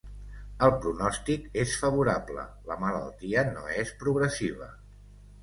El pronòstic és favorable; la malaltia no és progressiva.